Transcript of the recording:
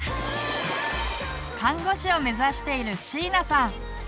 看護師を目指しているしいなさん。